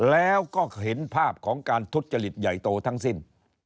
แล้วก็เห็นภาพของการทุจริตใหญ่โตทั้งสิ้น